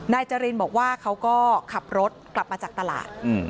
นายจรินบอกว่าเขาก็ขับรถกลับมาจากตลาด